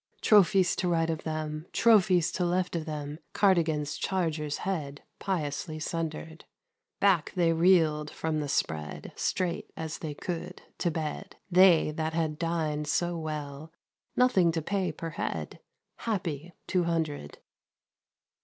Trophies to right of them, Trophies to left of them, Cardigan's charger's head. Piously sundered ! Back they reeled, from the spread. Straight as they could, to bed — They that had dined so" well — Nothing to pay per head^ Happy Two Hundred